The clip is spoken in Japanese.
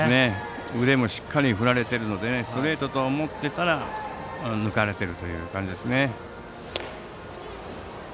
腕もしっかり振られているのでストレートと思ったら抜かれているという感じですね。